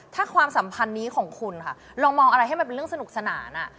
ถ้าความสัมพันธ์นี้ของคุณค่ะลองมองอะไรให้มันเป็นเรื่องสนุกสนาน